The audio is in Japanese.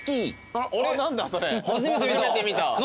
初めて見た。